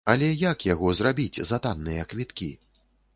Але як яго зрабіць за танныя квіткі?